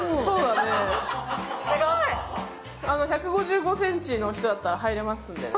１５５ｃｍの人だったら入れますのでね。